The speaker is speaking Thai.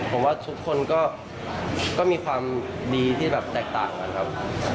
ผมว่าทุกคนก็มีความดีที่แบบแตกต่างกันครับ